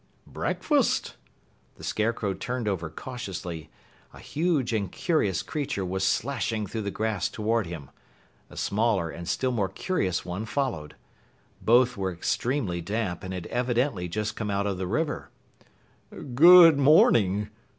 "Breakfast!" The Scarecrow turned over cautiously. A huge and curious creature was slashing through the grass toward him. A smaller and still more curious one followed. Both were extremely damp and had evidently just come out of the river. "Good morning!"